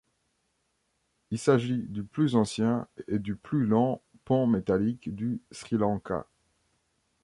Il s'agit du plus ancien et du plus long pont métallique du Sri Lanka.